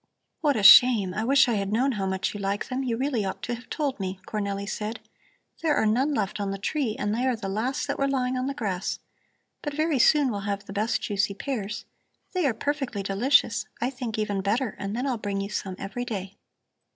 "What a shame! I wish I had known how much you like them; you really ought to have told me," Cornelli said. "There are none left on the tree and they are the last that were lying on the grass. But very soon we'll have the best juicy pears they are perfectly delicious, I think, even better and then I'll bring you some every day."